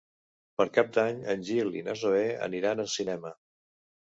Per Cap d'Any en Gil i na Zoè aniran al cinema.